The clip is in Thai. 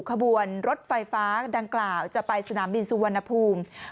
ขบวนรถไฟฟ้าดังกล่าวจะไปสนามบินสุวรรณภูมิ